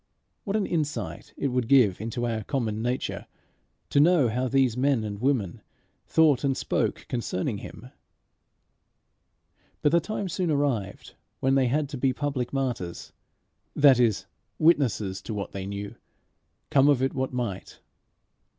What an insight it would give into our common nature, to know how these men and women thought and spoke concerning him! But the time soon arrived when they had to be public martyrs that is, witnesses to what they knew, come of it what might.